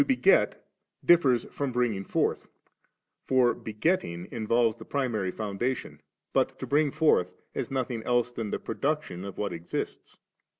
beget differs from bringing forth ; for begetting involves the primary foundation, but to l»iog forth is nothing else Uian the production of what exists.